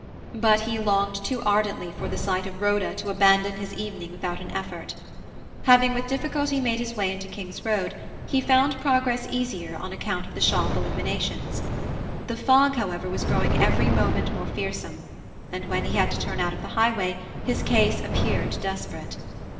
But he longed too ardently for the sight of Rhoda to abandon his evening without an effort. Having with difficulty made his way into King's Road, he found progress easier on account of the shop illuminations; the fog, however, was growing every moment more fearsome, and when he had to turn out of the highway his case appeared desperate.